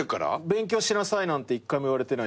勉強しなさいなんて１回も言われてないし。